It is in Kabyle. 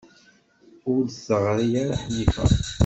Ur d-teɣri ara Ḥnifa.